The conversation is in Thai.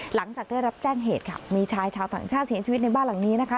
หลังจากได้รับแจ้งเหตุค่ะมีชายชาวต่างชาติเสียชีวิตในบ้านหลังนี้นะคะ